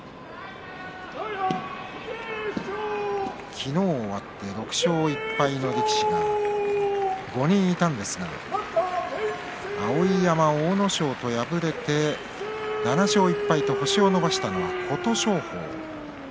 昨日、終わって６勝１敗の力士５人いたんですが碧山、阿武咲と敗れて７勝１敗と星を伸ばしたのは琴勝峰。